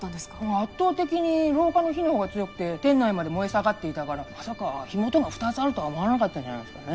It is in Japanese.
圧倒的に廊下の火の方が強くて店内まで燃え盛っていたからまさか火元が２つあるとは思わなかったんじゃないですかね